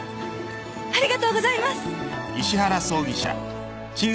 ありがとうございます。